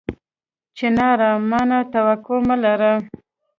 چناره! ما نه توقع مه لره